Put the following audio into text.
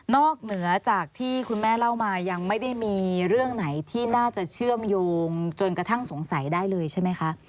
เหนือจากที่คุณแม่เล่ามายังไม่ได้มีเรื่องไหนที่น่าจะเชื่อมโยงจนกระทั่งสงสัยได้เลยใช่ไหมคะ